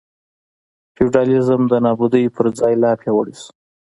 فیوډالېزم د نابودۍ پر ځای لا پیاوړی شو.